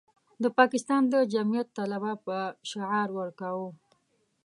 د پاکستان د جمعیت طلبه به شعار ورکاوه.